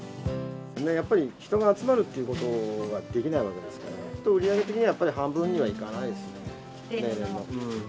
やっぱり人が集まるっていうことができないわけですから、売り上げ的にはやっぱり半分にはいかないですね、例年の。